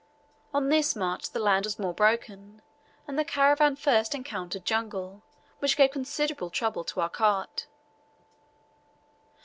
On this march the land was more broken, and the caravan first encountered jungle, which gave considerable trouble to our cart.